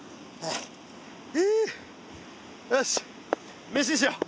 よし飯にしよう。